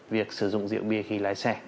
việc sử dụng rượu bia khi lái xe